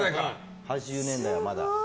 ８０年代はまだ。